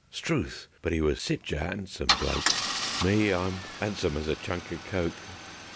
'Struth! But 'e was sich a 'andsome bloke. Me, I'm 'andsome as a chunk o' coke.